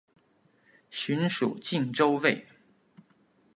寻属靖州卫。